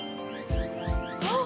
あっ！